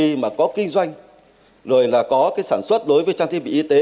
công ty mà có kinh doanh rồi là có cái sản xuất đối với trang thiết bị y tế